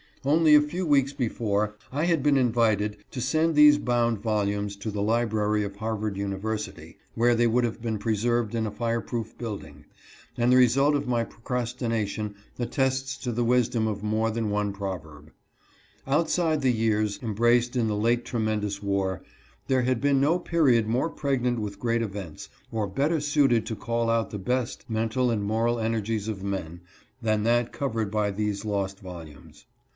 Only a few weeks before, I had been invited to send these bound volumes to the library of Harvard University, where they would have been preserved in a fire proof building, and the result of my procrastination attests the wis dom of more than one proverb. Outside the years em braced in the late tremendous war, there had been no period more pregnant with great events, or better suited to call out the best mental and moral energies of men, 328 CONDUCTOR OF THE UNDERGROUND RAILROAD. than that covered by these lost volumes.